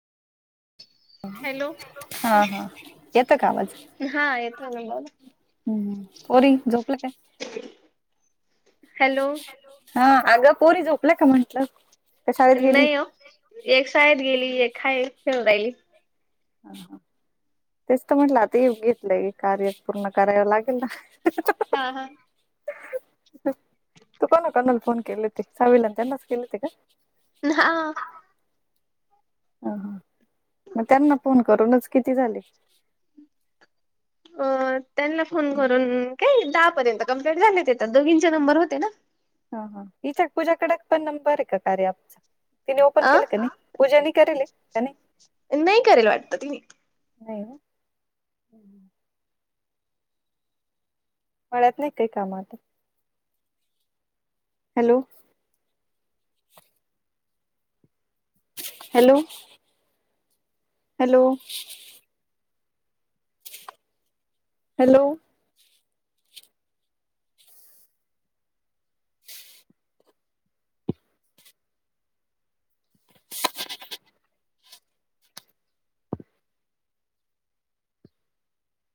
Hello हा हा येत का आवाज हा येतोय ना बोला हम्म पोरी झोपल्या काय हॅलो! ! ! हा अगं पोरी झोपल्या का म्हटलं! ! नाही ओ एक शाळेत गेली एक हाय खेळून राहिली! ! हा हा तेच तर म्हटलं आता युग घेतलंय कार्य पूर्ण करावं लागेल ना! ! हा हा! ! तू कोणा कोणाला फोन केलेते सावीला आणि त्यांनाच केलेते का? हा! ! हा हा मग त्यांना फोन करूनच किती झाले?? अ त्यांना फोन करून काय दहा पर्यंत कंप्लीट झालेेत दोघींचे नंबर होते ना! ! ! ! हा हा इचाक पूजा कड पण नंबर आहे का कार्या अँपचा तिन ओपन अ केलं का नाही पूजाने करीले का नाही! ! ! नाही करीले वाटतं तिने! नाही ना हम्म मळ्यात नाही का काही काम आता! हॅलो! ! ! हॅलो! ! ! हॅलो! हॅलो!